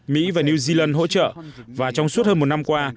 mỹ và new zealand hỗ trợ và trong suốt hơn một năm qua